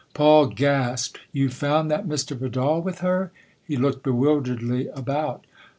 Paul gasped. " You found that Mr. Vidal with her ?" He looked bewilderedly about.